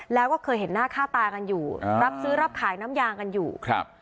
แล้วก็เคยเห็นหน้าค่าตากันอยู่รับซื้อรับขายน้ำยางกันอยู่ครับ